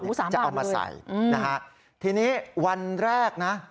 อู๋สามบาทเจ้ามดใส่อืมนะฮะทีนี้วันแรกน่ะ